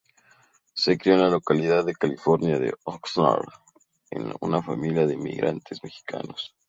Se crio en la localidad californiana de Oxnard, en una familia de inmigrantes mexicanos.